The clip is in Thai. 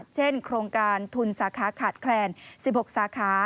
เช่นโครงการทุนสาขาขาดแคลน๑๖สาขา